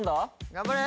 頑張れ！